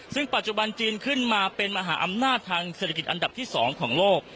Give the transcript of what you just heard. ซึ่งปัจจุบันจีนขึ้นมาเป็นมหาอำนาจทางเศรษฐกิจอันดับที่๒ของโลก